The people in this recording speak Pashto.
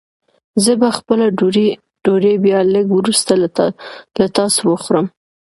زه به خپله ډوډۍ بيا لږ وروسته له تاسو وخورم.